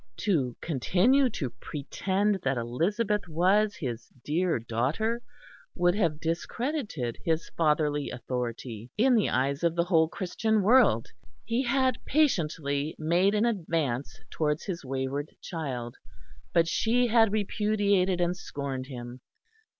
To continue to pretend that Elizabeth was his "dear daughter" would have discredited his fatherly authority in the eyes of the whole Christian world. He had patiently made an advance towards his wayward child; and she had repudiated and scorned him.